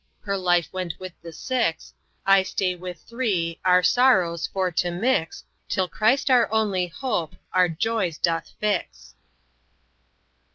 _ Her Life went with the Six I stay with 3 Our sorrows for to mix Till Christ our only hope, Our Joys doth fix."